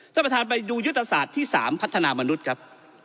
ท่านประธานไปดูยุทธศาสตร์ที่๓พัฒนามนุษย์ครับ